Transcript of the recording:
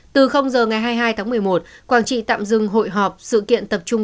từ giờ ngày hai mươi hai tháng một mươi một quảng trị tạm dừng hội họp sự kiện tập trung